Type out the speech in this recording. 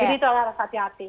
jadi itu adalah rasa hati hati